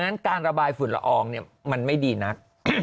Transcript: นั้นการระบายฝุ่นละอองมันไม่ดีนัก